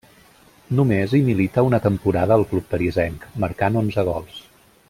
Només hi milita una temporada al club parisenc, marcant onze gols.